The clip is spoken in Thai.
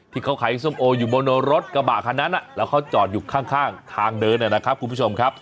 ที่เขาขายส้มโออยู่บนรถกระบะคันนั้นแล้วเขาจอดอยู่ข้างทางเดินนะครับคุณผู้ชมครับ